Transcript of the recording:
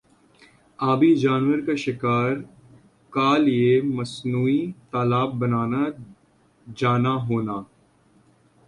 آبی جانور کا شکار کا لئے مصنوعی تالاب بننا جانا ہونا